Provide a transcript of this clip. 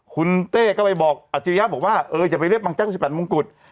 คุณเต้ก็ไปบอกอาจริยะบอกว่าเอออย่าไปเรียกบังแจ๊๑๘มงกุฎ